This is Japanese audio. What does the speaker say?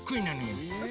え。